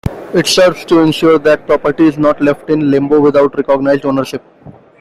It serves to ensure that property is not left in "limbo" without recognized ownership.